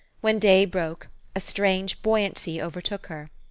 When day broke, a strange buoyancy overtook her.